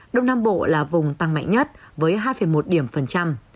đông nam bộ là vùng tăng mạnh nhất với hai một điểm phần trăm